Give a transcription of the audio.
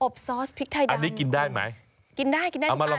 อบซอสพริกไทยดำโห